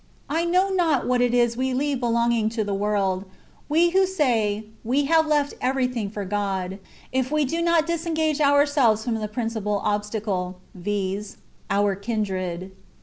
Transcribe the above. I know not what it ia .we leave belonging to the world — we who say ^^ we have left everything for God^' — if we do not disengage ourselves from the principal obstacle, viz., our kindred.